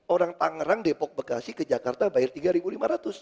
orang tangerang depok bekasi ke jakarta bayar rp tiga lima ratus